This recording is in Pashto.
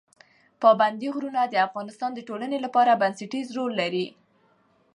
پابندي غرونه د افغانستان د ټولنې لپاره بنسټیز رول لري.